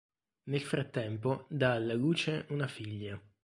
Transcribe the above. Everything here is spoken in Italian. Nel frattempo dà alla luce una figlia.